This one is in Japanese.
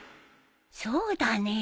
そうだね。